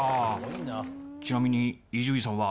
ちなみに伊集院さんは。